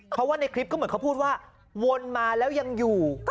เพราะว่าในคลิปก็เหมือนเขาพูดว่าวนมาแล้วยังอยู่